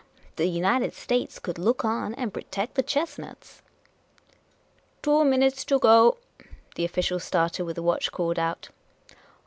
The United States could look on, and pocket the chestnuts." " Two minutes to go! " the official starter with the watch called out.